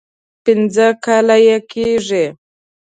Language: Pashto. پنځه کاله یې کېږي.